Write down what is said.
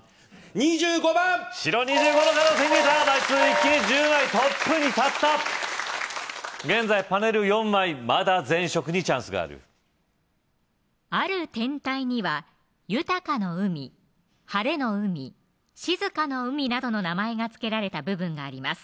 ２５番白２５の角を手に入れた枚数一気に１０枚トップに立った現在パネル４枚まだ全色にチャンスがあるある天体には「豊かの海」「晴の海」「静かの海」などの名前が付けられた部分があります